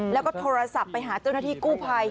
แล้วก็โทรศัพท์ไปหาเจ้าหน้าที่กู้ภัย